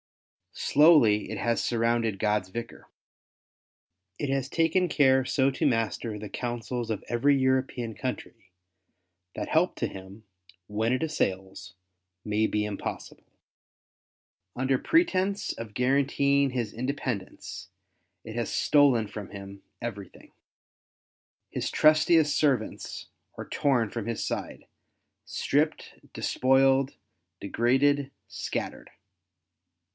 Slowly it has surrounded God's Vicar. It has taken care so to master the CATHOLIC ORGANIZATION. 157 councils of every European country that help, to him, when it assails, may be impossible. Under pretence of guaranteeing his independence, it has stolen from him everything. His trustiest servants are torn from his side, stripped, despoiled^ degraded, scattered.